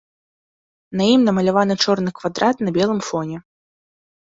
На ім намаляваны чорны квадрат на белым фоне.